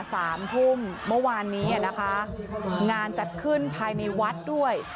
สามทุ่มเมื่อวานนี้อ่ะนะคะงานจัดขึ้นภายในวัดด้วย